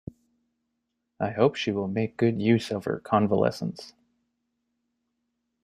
I hope she will make good use of her convalescence.